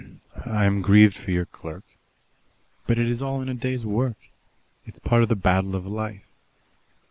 "I am grieved for your clerk. But it is all in the day's work. It's part of the battle of life."